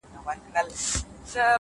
د کلې خلگ به دي څه ډول احسان ادا کړې،